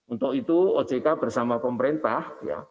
untuk itu ojk bersama pemerintah